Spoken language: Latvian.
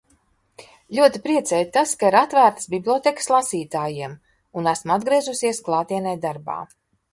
Ļoti priecē tas, ka ir atvērtas bibliotēkas lasītājiem un esmu atgriezusies klātienē darbā.